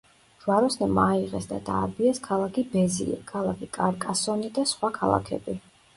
ჯვაროსნებმა აიღეს და დაარბიეს ქალაქი ბეზიე, ქალაქი კარკასონი და სხვა ქალაქები.